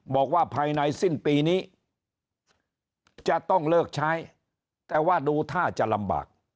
บอกว่าภายในสิ้นปีนี้จะต้องเลิกใช้แต่ว่าดูท่าจะลำบาก